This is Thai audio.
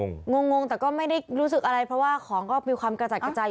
งงงแต่ก็ไม่ได้รู้สึกอะไรเพราะว่าของก็มีความกระจัดกระจาย